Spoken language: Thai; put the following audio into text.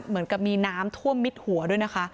เหมือนกับมีน้ำท่วมมิดหัวด้วยนะคะ